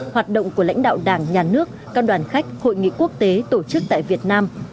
hoạt động của lãnh đạo đảng nhà nước các đoàn khách hội nghị quốc tế tổ chức tại việt nam